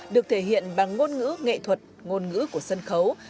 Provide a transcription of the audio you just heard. được thể hiện bằng ngôn ngữ nghệ thuật ngôn ngữ của sân khấu